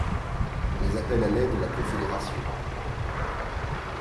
Mais appelle à l'aide la confédération.